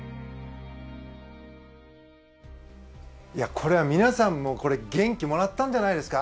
これは、皆さんも元気もらったんじゃないですか？